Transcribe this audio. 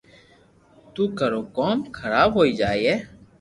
نو ڪرو ڪوم حراب ھوئي جائي